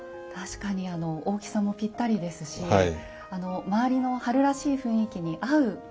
確かに大きさもぴったりですし周りの春らしい雰囲気に合う。